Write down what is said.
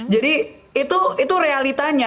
jadi itu realitanya